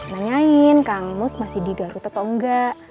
nanyain kak angmus masih di garuta atau enggak